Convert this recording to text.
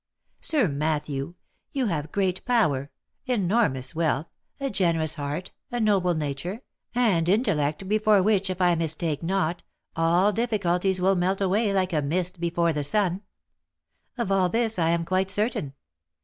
Sir Matthew, you have great power, enormous wealth, a generous heart, a noble nature, and in tellect, before which, if I mistake not, all difficulties will melt away like a mist before the sun. Of all this I am quite certain.